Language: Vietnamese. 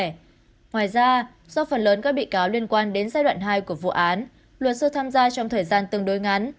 ngoài ra do phần lớn các bị cáo liên quan đến giai đoạn hai của vụ án luật sư tham gia trong thời gian tương đối ngắn